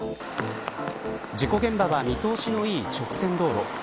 事故現場は見通しのいい直線道路。